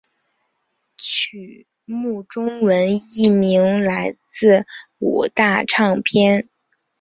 曲目中文译名来自五大唱片。